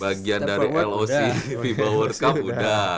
bagian dari loc fiba world cup udah